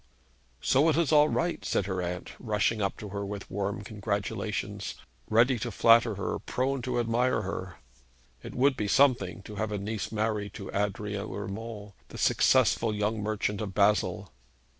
'So it is all right,' said her aunt, rushing up to her with warm congratulations, ready to flatter her, prone to admire her. It would be something to have a niece married to Adrian Urmand, the successful young merchant of Basle.